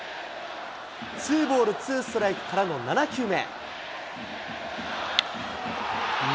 ツーボールツーストライクからの７球目。